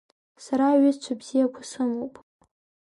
Сара аҩызцәа бзиақәа сымоуп…